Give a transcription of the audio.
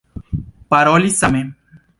Paroli same.